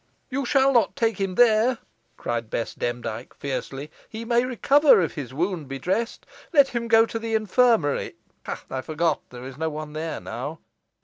"You shall not take him there," cried Bess Demdike, fiercely. "He may recover if his wound be dressed. Let him go to the infirmary ha, I forgot there is no one there now."